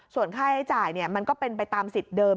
ส่วนค่าใช้จ่ายมันก็เป็นไปตามสิทธิ์เดิม